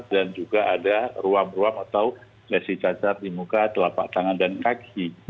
dan juga ada ruang ruang atau lesi cacar di muka telapak tangan dan kaki